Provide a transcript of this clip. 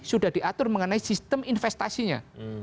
sudah diatur mengenai sistem investasinya